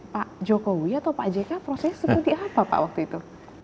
pak jokowi atau pak jk prosesnya seperti apa pak waktu itu